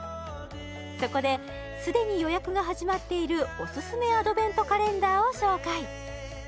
そこで既に予約が始まっているおすすめアドベントカレンダーを紹介